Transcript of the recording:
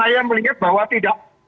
saya melihat bahwa tidak